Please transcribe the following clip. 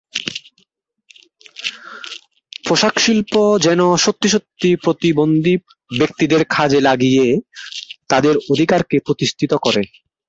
পোশাকশিল্প যেন সত্যি সত্যি প্রতিবন্ধী ব্যক্তিদের কাজে লাগিয়ে তাঁদের অধিকারকে প্রতিষ্ঠিত করে।